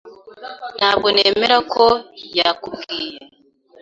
Ntabwo nemera ko yakubwiye.